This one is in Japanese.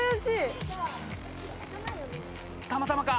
たまたまか？